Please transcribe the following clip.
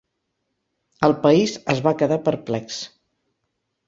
El país es va quedar perplex.